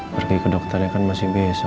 pergi ke dokternya kan masih biasa